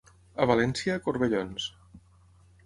A València, corbellons.